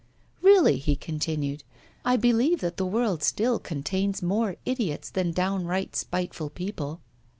'Really,' he continued, 'I believe that the world still contains more idiots than downright spiteful people.